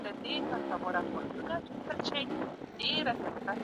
هيڅوک شرعي حدودو نسي معافولای او نه ئې څوک د تخفيف صلاحيت لري؛